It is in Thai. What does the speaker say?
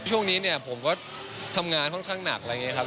ช่วงนี้เนี่ยผมก็ทำงานค่อนข้างหนักอะไรอย่างนี้ครับ